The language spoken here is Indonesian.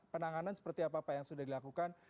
penanganan seperti apa pak yang sudah dilakukan